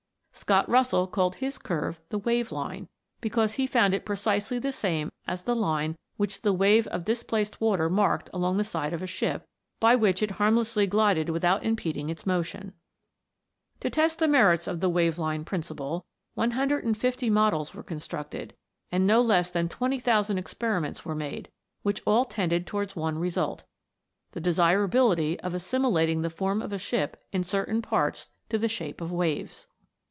Scott Russell called his curve the wave line, because he found it precisely the same as the line which the wave of displaced water marked along the side of the ship, by which it harmlessly glided without impeding its motion. To test the THE WONDERFUL LAMP. 317 merits of the wave line principle, one hundred and fifty models were constructed, and no less than 20,000 experiments were made, which all tended towards one result the desirability of assimilating the form of a ship in certain parts to the shape of waves.